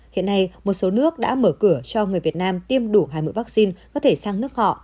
hiện nay một số nước đã mở cửa cho người việt nam tiêm đủ hai mũi vaccine có thể sang nước họ